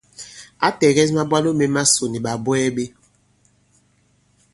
Ǎ tɛ̀gɛs mabwalo mē masò nì ɓàbwɛɛ ɓē.